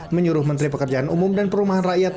menyuruh menteri pekerjaan umum dan perumahan rakyat